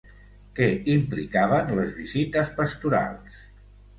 Què implicaven les visites pastorals?